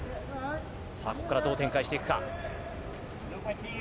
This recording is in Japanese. ここからどう展開していくか。